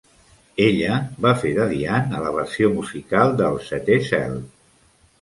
Ella va fer de Diane a la versió musical de "El Setè Cel".